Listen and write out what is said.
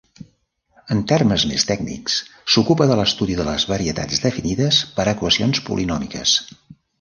En termes més tècnics, s'ocupa de l'estudi de les varietats definides per equacions polinòmiques.